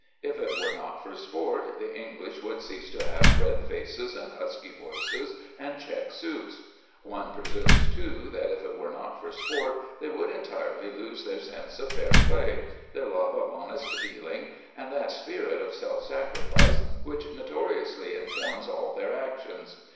If it were not for sport, the English would cease to have red faces and husky voices and check suits. One presumes, too, that if it were not for sport they would entirely lose their sense of fair play, their love of honest dealing, and that spirit of self sacrifice which notoriously informs all their actions.